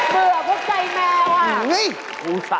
เบื่อพวกใจแมวอ่ะ